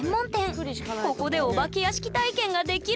ここでお化け屋敷体験ができるんだって！